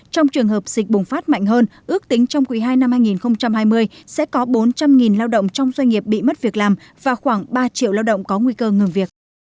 trong trường hợp dịch bùng phát mạnh hơn ước tính trong quý ii năm hai nghìn hai mươi sẽ có bốn trăm linh lao động trong doanh nghiệp bị mất việc làm và khoảng ba triệu lao động có nguy cơ ngừng việc